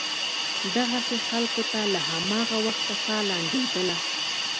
دغسې خلکو ته له هماغه وخته سا لنډېدله.